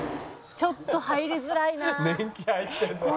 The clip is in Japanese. ちょっと入りづらいなあ。